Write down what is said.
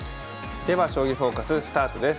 では「将棋フォーカス」スタートです。